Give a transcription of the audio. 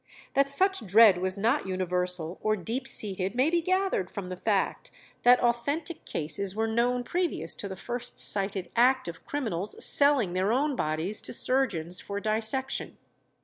That such dread was not universal or deep seated may be gathered from the fact that authentic cases were known previous to the first cited act of criminals selling their own bodies to surgeons for dissection.